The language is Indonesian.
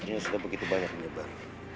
yang sudah begitu banyak menyebar